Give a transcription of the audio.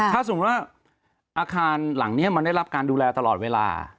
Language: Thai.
ถ้าสมมุติว่าอาคารหลังนี้มันได้รับการดูแลตลอดเวลา